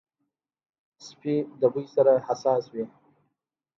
سپي د بوی سره حساس وي.